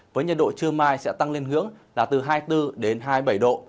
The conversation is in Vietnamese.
với nhiệt độ trưa mai sẽ tăng lên hướng là từ hai mươi bốn đến hai mươi bảy độ